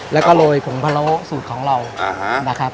แล้วก็โรยผงพะโล้สูตรของเรานะครับ